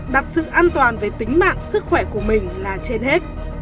đặt sự an toàn về tính mạng sức khỏe của mình là trên hết